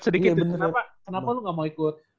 sedikit kenapa kenapa lu gak mau ikut